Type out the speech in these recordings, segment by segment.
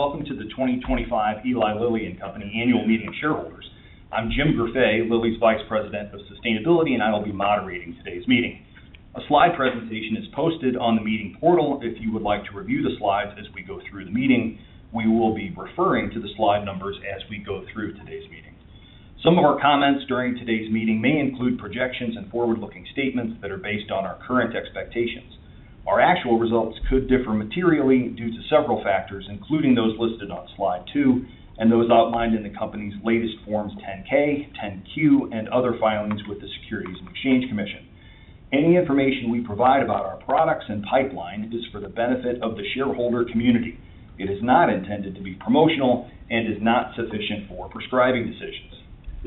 Welcome to the 2025 Eli Lilly and Company Annual Meeting of Shareholders. I'm Jim Greffet, Lilly's Vice President of Sustainability, and I will be moderating today's meeting. A slide presentation is posted on the meeting portal. If you would like to review the slides as we go through the meeting, we will be referring to the slide numbers as we go through today's meeting. Some of our comments during today's meeting may include projections and forward-looking statements that are based on our current expectations. Our actual results could differ materially due to several factors, including those listed on slide two and those outlined in the company's latest Forms 10-K, 10-Q, and other filings with the Securities and Exchange Commission. Any information we provide about our products and pipeline is for the benefit of the shareholder community. It is not intended to be promotional and is not sufficient for prescribing decisions.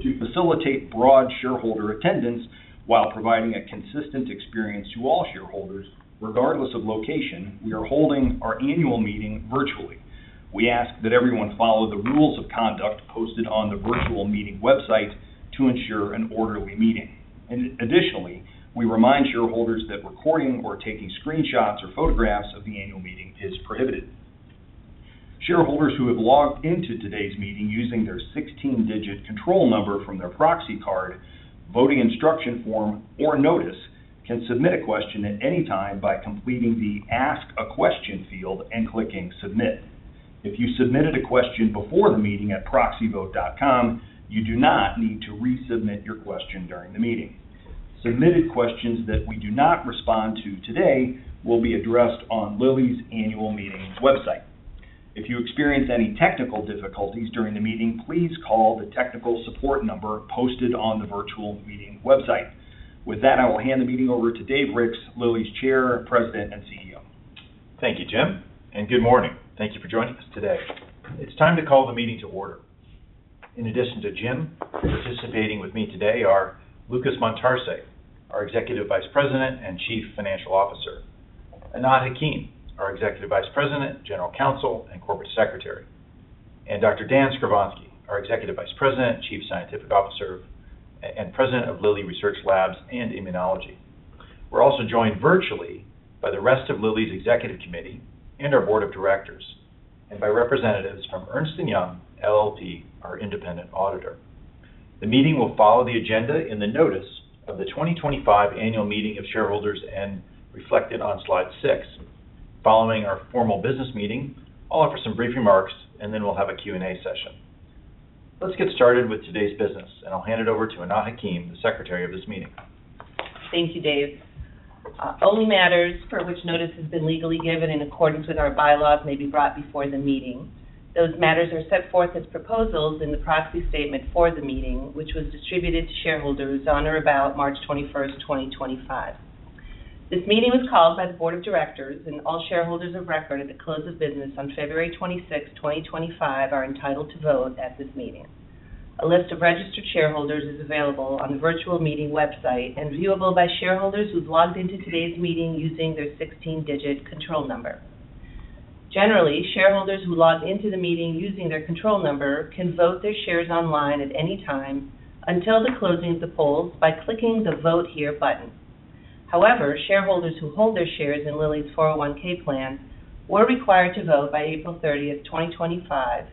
To facilitate broad shareholder attendance while providing a consistent experience to all shareholders, regardless of location, we are holding our annual meeting virtually. We ask that everyone follow the rules of conduct posted on the virtual meeting website to ensure an orderly meeting. Additionally, we remind shareholders that recording or taking screenshots or photographs of the annual meeting is prohibited. Shareholders who have logged into today's meeting using their 16-digit control number from their proxy card, voting instruction form, or notice can submit a question at any time by completing the Ask a Question field and clicking Submit. If you submitted a question before the meeting at ProxyVote.com, you do not need to resubmit your question during the meeting. Submitted questions that we do not respond to today will be addressed on Lilly's annual meeting website. If you experience any technical difficulties during the meeting, please call the technical support number posted on the virtual meeting website. With that, I will hand the meeting over to Dave Ricks, Lilly's Chair, President and CEO. Thank you, Jim, and good morning. Thank you for joining us today. It's time to call the meeting to order. In addition to Jim, participating with me today are Lucas Montarce, our Executive Vice President and Chief Financial Officer; Anat Hakim, our Executive Vice President, General Counsel, and Corporate Secretary; and Dr. Dan Skovronsky, our Executive Vice President, Chief Scientific Officer, and President of Lilly Research Labs and Immunology. We're also joined virtually by the rest of Lilly's Executive Committee and our Board of Directors, and by representatives from Ernst & Young LLP, our independent auditor. The meeting will follow the agenda in the notice of the 2025 Annual Meeting of Shareholders reflected on slide six. Following our formal business meeting, I'll offer some brief remarks, and then we'll have a Q&A session. Let's get started with today's business, and I'll hand it over to Anat Hakim, the Secretary of this meeting. Thank you, Dave. Only matters for which notice has been legally given in accordance with our bylaws may be brought before the meeting. Those matters are set forth as proposals in the proxy statement for the meeting, which was distributed to shareholders on or about March 21, 2025. This meeting was called by the Board of Directors, and all shareholders of record at the close of business on February 26, 2025, are entitled to vote at this meeting. A list of registered shareholders is available on the virtual meeting website and viewable by shareholders who've logged into today's meeting using their 16-digit control number. Generally, shareholders who logged into the meeting using their control number can vote their shares online at any time until the closing of the polls by clicking the Vote Here button. However, shareholders who hold their shares in Lilly's 401(k) plan were required to vote by April 30, 2025,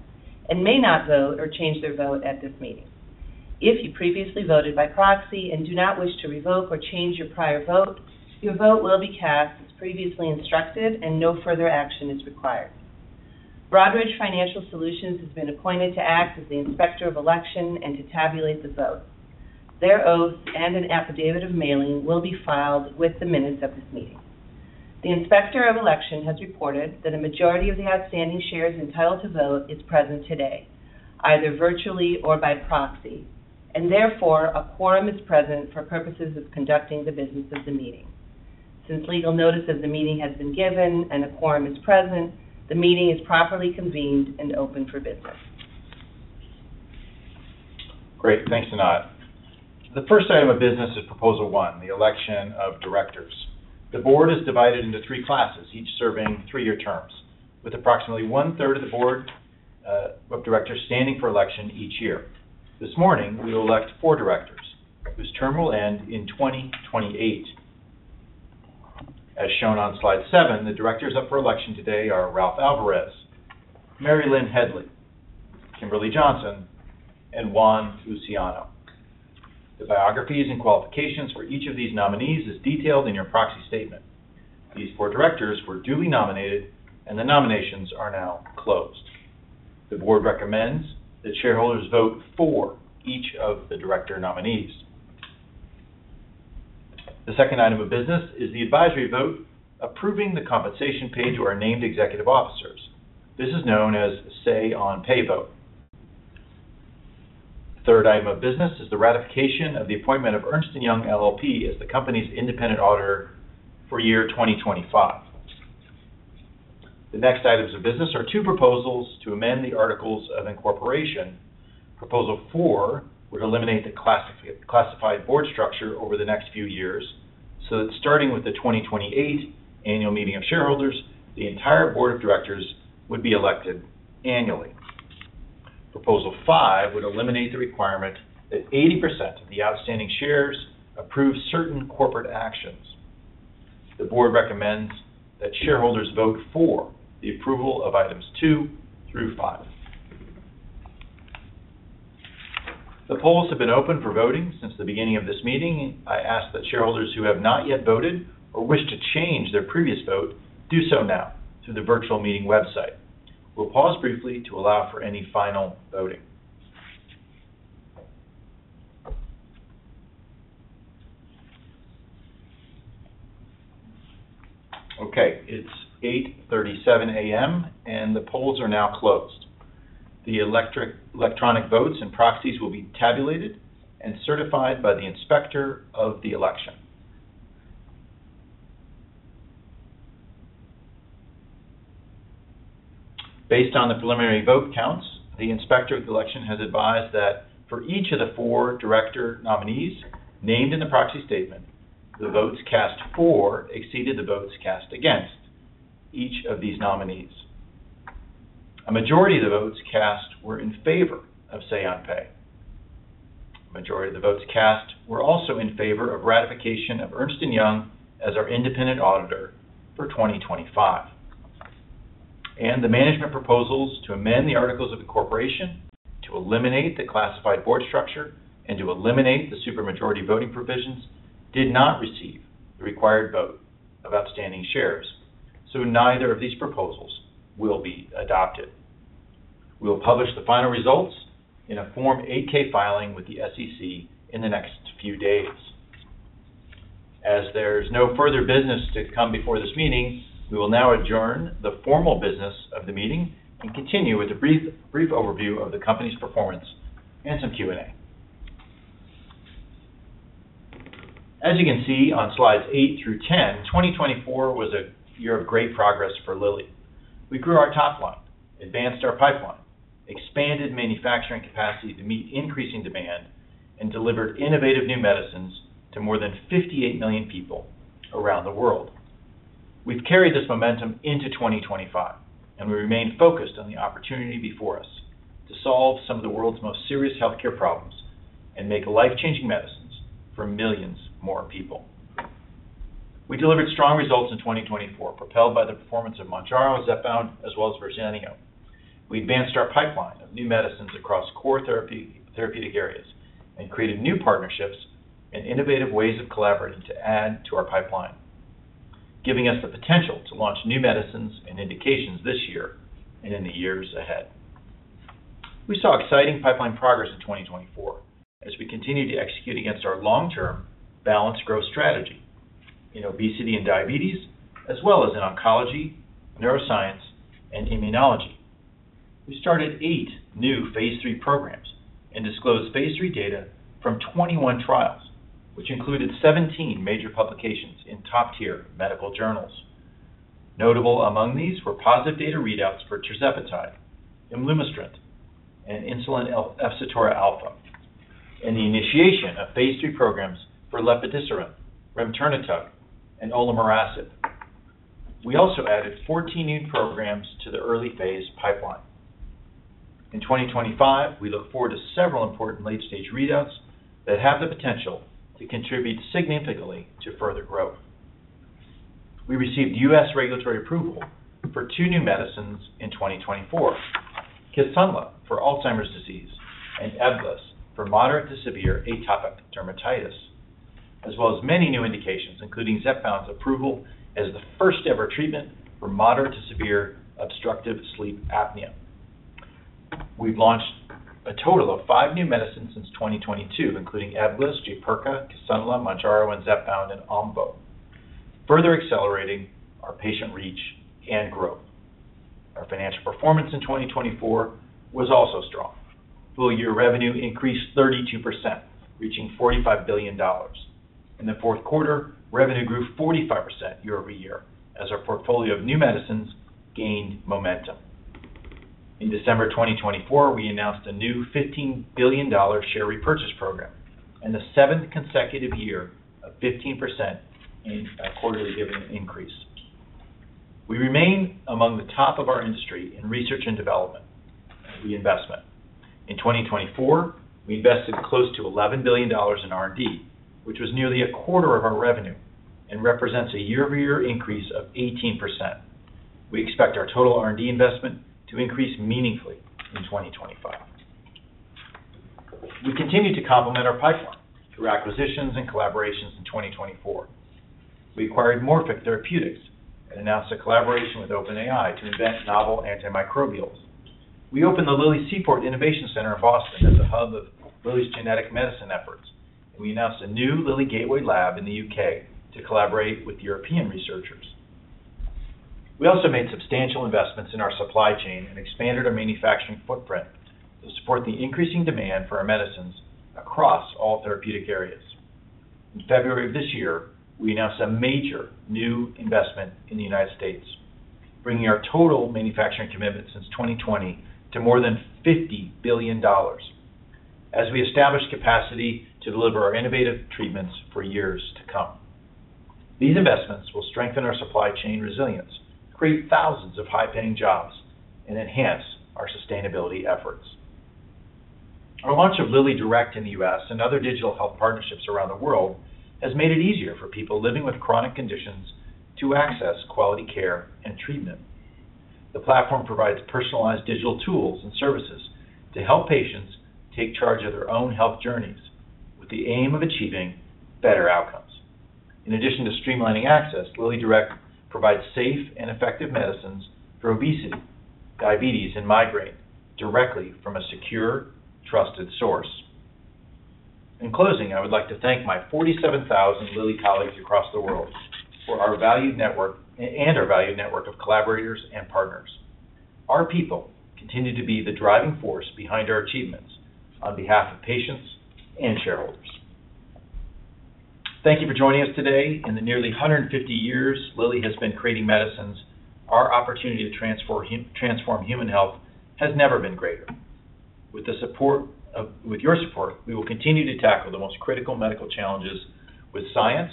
and may not vote or change their vote at this meeting. If you previously voted by proxy and do not wish to revoke or change your prior vote, your vote will be cast as previously instructed, and no further action is required. Broadridge Financial Solutions has been appointed to act as the Inspector of Election and to tabulate the vote. Their oaths and an affidavit of mailing will be filed with the minutes of this meeting. The Inspector of Election has reported that a majority of the outstanding shares entitled to vote is present today, either virtually or by proxy, and therefore a quorum is present for purposes of conducting the business of the meeting. Since legal notice of the meeting has been given and a quorum is present, the meeting is properly convened and open for business. Great. Thanks, Anat. The first item of business is Proposal One, the election of directors. The board is divided into three classes, each serving three-year terms, with approximately one-third of the board of directors standing for election each year. This morning, we will elect four directors whose term will end in 2028. As shown on slide seven, the directors up for election today are Ralph Alvarez, Mary Lynne Hedley, Kimberly Johnson, and Juan Luciano. The biographies and qualifications for each of these nominees are detailed in your proxy statement. These four directors were duly nominated, and the nominations are now closed. The board recommends that shareholders vote for each of the director nominees. The second item of business is the advisory vote approving the compensation pay to our named executive officers. This is known as a say-on-pay vote. The third item of business is the ratification of the appointment of Ernst & Young LLP as the company's independent auditor for year 2025. The next items of business are two proposals to amend the Articles of Incorporation. Proposal Four would eliminate the classified board structure over the next few years so that starting with the 2028 Annual Meeting of Shareholders, the entire board of directors would be elected annually. Proposal Five would eliminate the requirement that 80% of the outstanding shares approve certain corporate actions. The board recommends that shareholders vote for the approval of items two through five. The polls have been open for voting since the beginning of this meeting. I ask that shareholders who have not yet voted or wish to change their previous vote do so now through the virtual meeting website. We'll pause briefly to allow for any final voting. Okay, it's 8:37 A.M., and the polls are now closed. The electronic votes and proxies will be tabulated and certified by the inspector of the election. Based on the preliminary vote counts, the inspector of the election has advised that for each of the four director nominees named in the proxy statement, the votes cast for exceeded the votes cast against each of these nominees. A majority of the votes cast were in favor of say-on-pay. A majority of the votes cast were also in favor of ratification of Ernst & Young as our independent auditor for 2025. The management proposals to amend the Articles of Incorporation, to eliminate the classified board structure, and to eliminate the supermajority voting provisions did not receive the required vote of outstanding shares, so neither of these proposals will be adopted. We'll publish the final results in a Form 8-K filing with the SEC in the next few days. As there's no further business to come before this meeting, we will now adjourn the formal business of the meeting and continue with a brief overview of the company's performance and some Q&A. As you can see on slides eight through ten, 2024 was a year of great progress for Lilly. We grew our top line, advanced our pipeline, expanded manufacturing capacity to meet increasing demand, and delivered innovative new medicines to more than 58 million people around the world. We've carried this momentum into 2025, and we remain focused on the opportunity before us to solve some of the world's most serious healthcare problems and make life-changing medicines for millions more people. We delivered strong results in 2024, propelled by the performance of Mounjaro, Zepbound, as well as Verzenio. We advanced our pipeline of new medicines across core therapeutic areas and created new partnerships and innovative ways of collaborating to add to our pipeline, giving us the potential to launch new medicines and indications this year and in the years ahead. We saw exciting pipeline progress in 2024 as we continued to execute against our long-term balanced growth strategy in obesity and diabetes, as well as in oncology, neuroscience, and immunology. We started eight new phase three programs and disclosed phase three data from 21 trials, which included 17 major publications in top-tier medical journals. Notable among these were positive data readouts for Tirzepatide, Imlunestrant, and insulin efsitora alfa, and the initiation of phase three programs for Lepidicerin, Remtinitub, and Olemarasib. We also added 14 new programs to the early phase pipeline. In 2025, we look forward to several important late-stage readouts that have the potential to contribute significantly to further growth. We received U.S. regulatory approval for two new medicines in 2024: Kisunla for Alzheimer's disease and EBGLYSS for moderate to severe atopic dermatitis, as well as many new indications, including Zepbound's approval as the first-ever treatment for moderate to severe obstructive sleep apnea. We've launched a total of five new medicines since 2022, including EBGLYSS, Jaypirca, Kisunla, Mounjaro, and Zepbound, and Omvoh, further accelerating our patient reach and growth. Our financial performance in 2024 was also strong. Full-year revenue increased 32%, reaching $45 billion. In the fourth quarter, revenue grew 45% year over year as our portfolio of new medicines gained momentum. In December 2024, we announced a new $15 billion share repurchase program and the seventh consecutive year of 15% in quarterly dividend increase. We remain among the top of our industry in research and development reinvestment. In 2024, we invested close to $11 billion in R&D, which was nearly a quarter of our revenue and represents a year-over-year increase of 18%. We expect our total R&D investment to increase meaningfully in 2025. We continue to complement our pipeline through acquisitions and collaborations in 2024. We acquired Morphic Therapeutics and announced a collaboration with OpenAI to invent novel antimicrobials. We opened the Lilly Seaport Innovation Center in Boston as a hub of Lilly's genetic medicine efforts, and we announced a new Lilly Gateway lab in the U.K. to collaborate with European researchers. We also made substantial investments in our supply chain and expanded our manufacturing footprint to support the increasing demand for our medicines across all therapeutic areas. In February of this year, we announced a major new investment in the United States, bringing our total manufacturing commitment since 2020 to more than $50 billion, as we establish capacity to deliver our innovative treatments for years to come. These investments will strengthen our supply chain resilience, create thousands of high-paying jobs, and enhance our sustainability efforts. Our launch of Lilly Direct in the U.S. and other digital health partnerships around the world has made it easier for people living with chronic conditions to access quality care and treatment. The platform provides personalized digital tools and services to help patients take charge of their own health journeys with the aim of achieving better outcomes. In addition to streamlining access, Lilly Direct provides safe and effective medicines for obesity, diabetes, and migraine directly from a secure, trusted source. In closing, I would like to thank my 47,000 Lilly colleagues across the world for our valued network and our valued network of collaborators and partners. Our people continue to be the driving force behind our achievements on behalf of patients and shareholders. Thank you for joining us today. In the nearly 150 years Lilly has been creating medicines, our opportunity to transform human health has never been greater. With your support, we will continue to tackle the most critical medical challenges with science,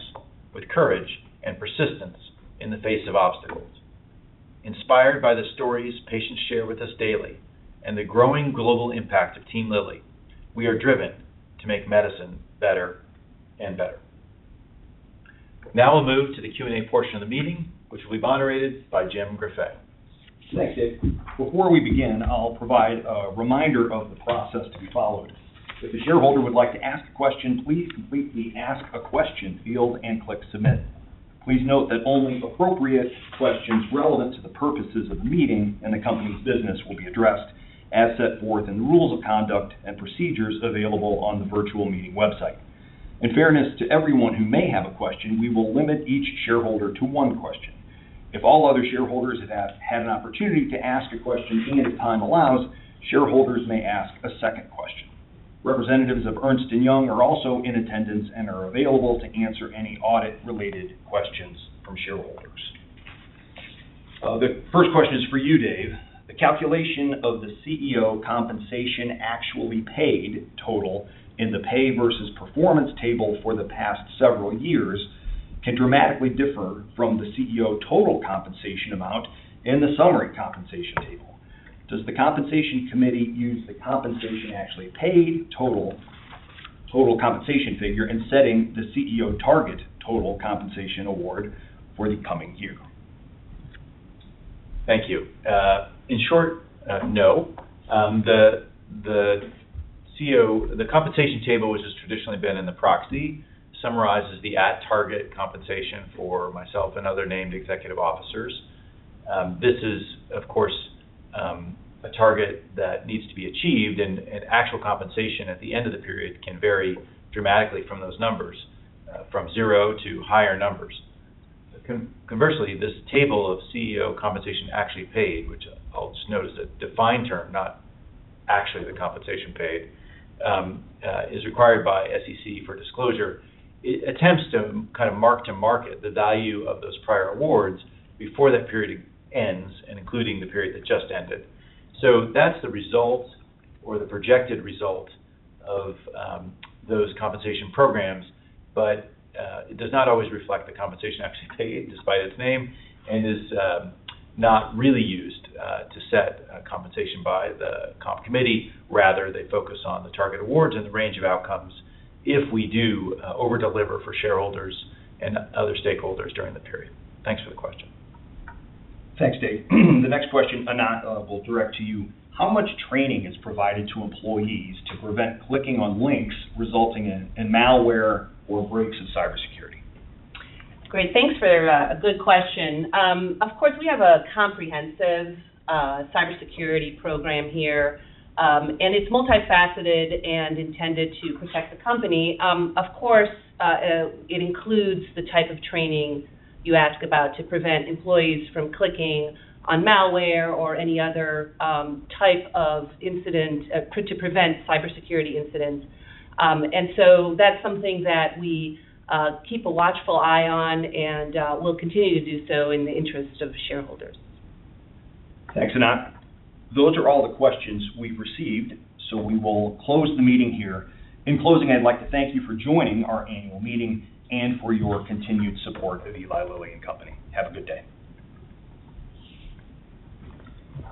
with courage, and persistence in the face of obstacles. Inspired by the stories patients share with us daily and the growing global impact of Team Lilly, we are driven to make medicine better and better. Now we'll move to the Q&A portion of the meeting, which will be moderated by Jim Greffet. Thanks, Dave. Before we begin, I'll provide a reminder of the process to be followed. If a shareholder would like to ask a question, please complete the Ask a Question field and click Submit. Please note that only appropriate questions relevant to the purposes of the meeting and the company's business will be addressed, as set forth in the rules of conduct and procedures available on the virtual meeting website. In fairness to everyone who may have a question, we will limit each shareholder to one question. If all other shareholders have had an opportunity to ask a question and if time allows, shareholders may ask a second question. Representatives of Ernst & Young are also in attendance and are available to answer any audit-related questions from shareholders. The first question is for you, Dave. The calculation of the CEO compensation actually paid total in the pay versus performance table for the past several years can dramatically differ from the CEO total compensation amount in the summary compensation table. Does the Compensation Committee use the compensation actually paid total compensation figure in setting the CEO target total compensation award for the coming year? Thank you. In short, no. The compensation table, which has traditionally been in the proxy, summarizes the at-target compensation for myself and other named executive officers. This is, of course, a target that needs to be achieved, and actual compensation at the end of the period can vary dramatically from those numbers, from zero to higher numbers. Conversely, this table of CEO compensation actually paid, which I'll just note is a defined term, not actually the compensation paid, is required by SEC for disclosure. It attempts to kind of mark to market the value of those prior awards before that period ends and including the period that just ended. That is the result or the projected result of those compensation programs, but it does not always reflect the compensation actually paid despite its name and is not really used to set compensation by the Comp Committee. Rather, they focus on the target awards and the range of outcomes if we do overdeliver for shareholders and other stakeholders during the period. Thanks for the question. Thanks, Dave. The next question, Anat, will direct to you. How much training is provided to employees to prevent clicking on links resulting in malware or breaks of cybersecurity? Great. Thanks for a good question. Of course, we have a comprehensive cybersecurity program here, and it's multifaceted and intended to protect the company. Of course, it includes the type of training you ask about to prevent employees from clicking on malware or any other type of incident to prevent cybersecurity incidents. That is something that we keep a watchful eye on and will continue to do so in the interest of shareholders. Thanks, Anat. Those are all the questions we've received, so we will close the meeting here. In closing, I'd like to thank you for joining our annual meeting and for your continued support of Eli Lilly and Company. Have a good day.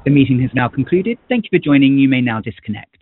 The meeting has now concluded. Thank you for joining. You may now disconnect.